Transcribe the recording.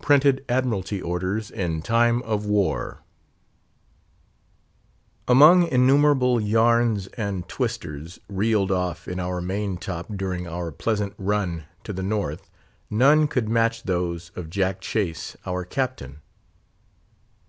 —Printed Admiralty orders in time of war. Among innumerable "yarns and twisters" reeled off in our main top during our pleasant run to the North, none could match those of Jack Chase, our captain.